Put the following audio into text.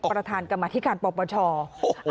ประธานกรรมธิการปรบประชา